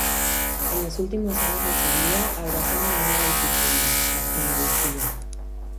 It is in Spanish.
En los últimos años de su vida abrazó una nueva disciplina: la genealogía.